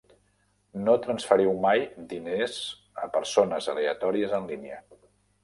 No transferiu mai diners a persones aleatòries en línia.